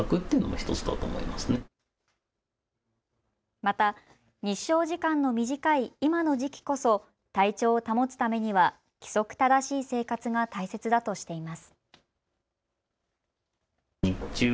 また日照時間の短い今の時期こそ体調を保つためには規則正しい生活が大切だとしています。